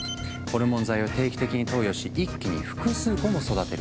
ホルモン剤を定期的に投与し一気に複数個も育てる。